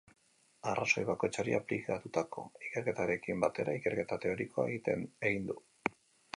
Arazo bakoitzari aplikatutako ikerketarekin batera, ikerketa teorikoa egin du.